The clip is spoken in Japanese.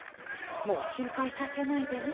もう心配させないでね。